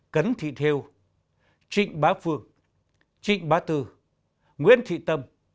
cấn thị theo trịnh bá phương trịnh bá tư nguyễn thị tâm